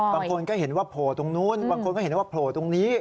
บางคนก็เห็นว่าโผล่ตรงนู้นบางคนก็เห็นว่าโผล่ตรงนี้